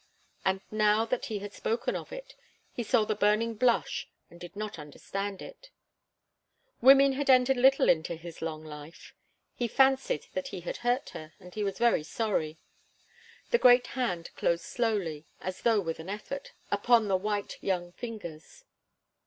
And now that he had spoken of it, he saw the burning blush and did not understand it. Women had entered little into his long life. He fancied that he had hurt her, and was very sorry. The great hand closed slowly, as though with an effort, upon the white young fingers.